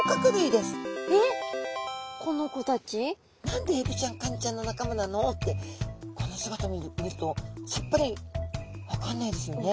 何でエビちゃんカニちゃんの仲間なのってこの姿見るとさっぱり分かんないですよね。